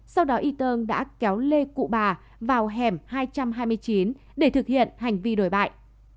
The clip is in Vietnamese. sau đó y tơng đã kéo lê cụ bà vào hẻm hai trăm hai mươi chín để thực hiện hành vi đổi bại